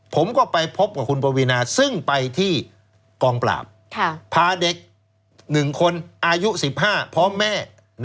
ผมก็ไปพบกับคุณปวีนาซึ่งไปที่กองปราบพาเด็ก๑คนอายุ๑๕พร้อมแม่